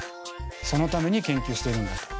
そのために研究してるんだと。